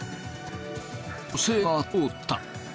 女性が通った。